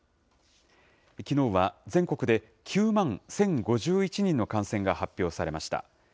きのうは全国で９万１０５１人の感染が発表されました。